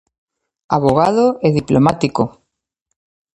Avogado e diplomático.